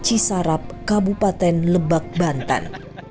cisarap kabupaten lebak banten